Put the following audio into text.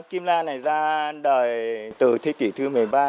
kim lan này ra đời từ thế kỷ thứ một mươi ba